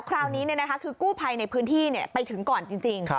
คราวนี้คือกู้ภัยในพื้นที่ไปถึงก่อนจริง